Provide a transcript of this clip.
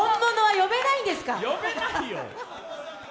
呼べないよ！